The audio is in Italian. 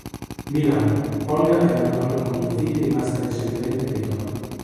Milano: Olga è una donna con due figli rimasta recentemente vedova.